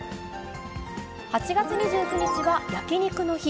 ８月２９日は焼き肉の日。